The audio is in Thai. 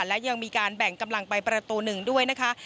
และยังมีการแบ่งกำลังไปประตูหนึ่งด้วยนะคะ